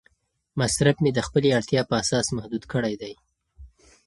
مصرف مې د خپلې اړتیا په اساس محدود کړی دی.